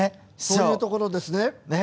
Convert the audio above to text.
そういうところですね。